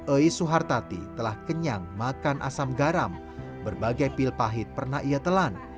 oi suhartati telah kenyang makan asam garam berbagai pil pahit pernah ia telan